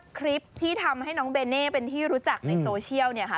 คลิปที่ทำให้น้องเบเน่เป็นที่รู้จักในโซเชียลเนี่ยค่ะ